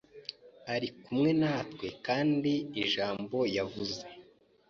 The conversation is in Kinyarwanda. ari kumwe natwe kandi ijambo yavuze